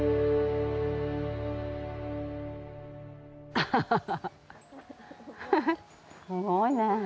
アハハハッすごいね。